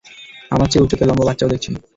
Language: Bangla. আমার চেয়ে উচ্চতায় লম্বা বাচ্চাও দেখেছি।